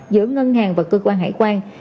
giữa ngân hàng và cơ quan hải quan